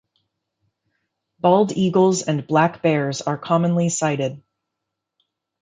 Bald eagles and black bears are commonly sighted.